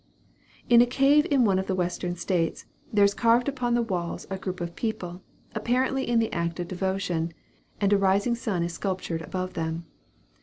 In a cave in one of the Western States, there is carved upon the walls a group of people, apparently in the act of devotion; and a rising sun is sculptured above them.